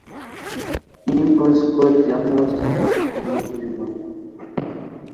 impuls, code ya morse yumutima